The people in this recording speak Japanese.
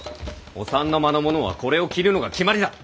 お三の間の者はこれを着るのが決まりだ。